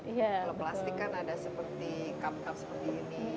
kalau plastik kan ada seperti cup cup seperti ini